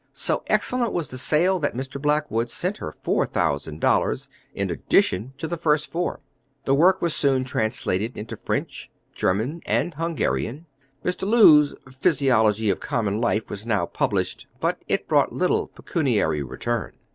So excellent was the sale that Mr. Blackwood sent her four thousand dollars in addition to the first four. The work was soon translated into French, German, and Hungarian. Mr. Lewes' Physiology of Common Life was now published, but it brought little pecuniary return.